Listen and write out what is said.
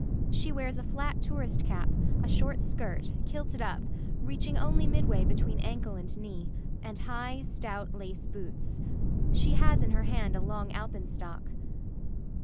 She wears a flat tourist cap, a short skirt, kilted up, reaching only midway between ankle and knee, and high, stout lace boots. She has in her hand a long alpenstock.